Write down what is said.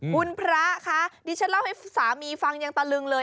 คุณพระคะดิฉันเล่าให้สามีฟังยังตะลึงเลย